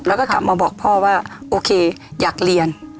แล้วก็กลับมาบอกพ่อว่าโอเคอยากเรียน